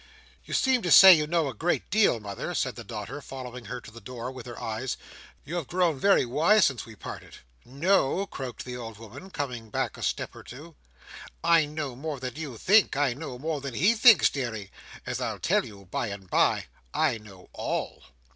"You seem to say you know a great deal, mother," said the daughter, following her to the door with her eyes. "You have grown very wise since we parted." "Know!" croaked the old woman, coming back a step or two, "I know more than you think I know more than he thinks, deary, as I'll tell you by and bye. I know all."